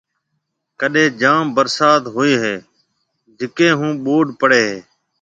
ڪڏَي جام ڀرسات ھوئيَ ھيََََ جڪيَ ھون ٻوڏ پڙَي ھيََََ